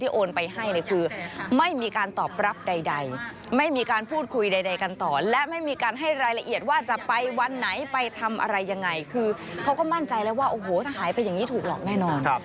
โอนไปให้เนี่ยคือไม่มีการตอบรับใดไม่มีการพูดคุยใดกันต่อและไม่มีการให้รายละเอียดว่าจะไปวันไหนไปทำอะไรยังไงคือเขาก็มั่นใจแล้วว่าโอ้โหถ้าหายไปอย่างนี้ถูกหลอกแน่นอน